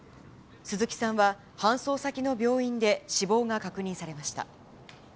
鈴木さんは搬送先の病院で、死亡が確認されました。